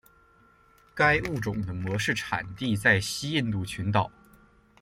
该物种的模式产地在西印度群岛。